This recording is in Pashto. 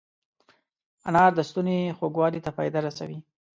انار د ستوني خوږوالي ته فایده رسوي.